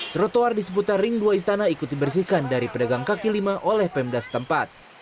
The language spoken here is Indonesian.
trotoar di seputar ring dua istana ikut dibersihkan dari pedagang kaki lima oleh pemda setempat